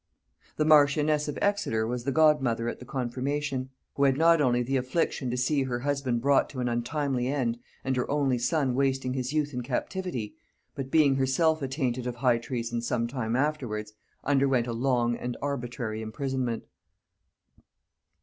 The marchioness of Exeter was the godmother at the confirmation, who had not only the affliction to see her husband brought to an untimely end, and her only son wasting his youth in captivity, but, being herself attainted of high treason some time afterwards, underwent a long and arbitrary imprisonment.